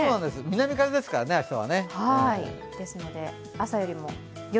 南風ですからね、明日は。